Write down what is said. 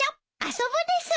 遊ぶです。